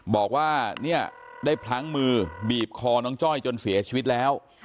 บอกว่าเนี่ยได้พลั้งมือบีบคอน้องจ้อยจนเสียชีวิตแล้ว